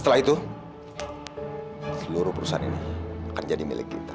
setelah itu seluruh perusahaan ini akan jadi milik kita